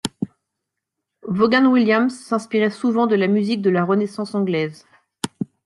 Vaughan Williams s'inspirait souvent de la musique de la Renaissance anglaise.